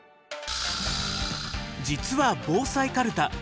実は防災かるた